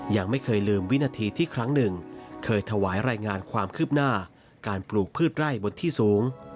ยังไม่เคยลืมวินาทีที่ครั้งหนึ่งเคยถวายรายงานความคืบหน้าการปลูกพืชไร่บนที่สูง